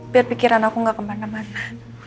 biar pikiran aku gak kemana mana